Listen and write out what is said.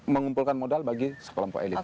mengumpulkan modal bagi sekolah sekolah